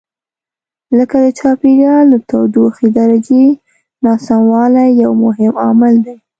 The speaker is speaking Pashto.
لکه د چاپېریال د تودوخې درجې ناسموالی یو مهم عامل دی.